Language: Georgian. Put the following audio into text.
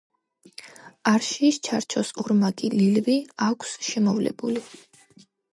არშიის ჩარჩოს ორმაგი ლილვი აქვს შემოვლებული.